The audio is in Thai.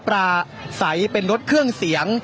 ปลาใสเป็นรถเครื่องเสียง